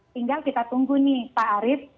tinggal kita tunggu nih pak arief